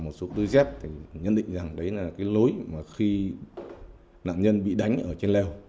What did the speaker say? tôi xếp thì nhận định rằng đấy là cái lối mà khi nạn nhân bị đánh ở trên leo